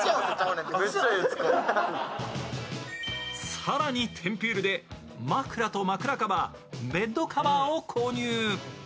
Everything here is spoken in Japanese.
更にテンピュールで枕と枕カバー、ベッドカバーを購入。